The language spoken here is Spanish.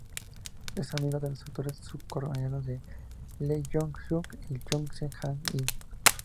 Es amigo de los actores surcoreanos Lee Jong-suk y Jung Hae-in.